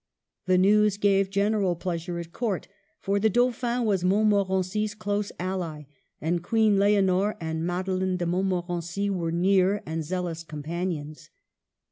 The news gave general pleasure at Court, for the Dauphin was Montmorency's close ally, and Queen Leonor and Madeleine de Montmo rency were near and zealous companions.